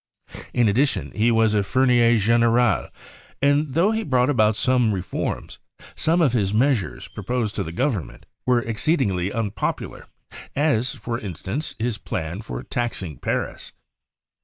In addition, he was a f ermier general ; and tho he brought about some reforms, some of his meas ures proposed to the Government were exceedingly un popular, as, for instance, his plan for taxing Paris.